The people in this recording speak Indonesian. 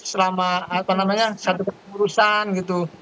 selama apa namanya satu tahun pengurusan gitu